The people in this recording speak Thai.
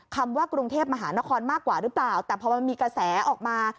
คำว่ากรุงเทพมหานครมากกว่าหรือเปล่าแต่พอมันมีกระแสออกมา